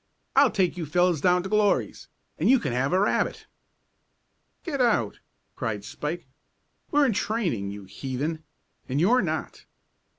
I'll take you fellows down to Glory's, and you can have a rabbit." "Get out!" cried Spike. "We're in training, you heathen, and you're not."